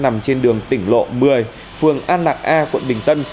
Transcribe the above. nằm trên đường tỉnh lộ một mươi phường an lạc a quận bình tân